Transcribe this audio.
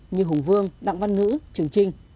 như hùng vương đặng văn nữ trường trinh